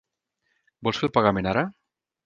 Vols fer el pagament ara?